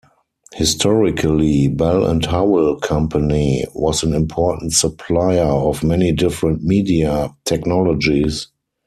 Historically, Bell and Howell Company was an important supplier of many different media technologies.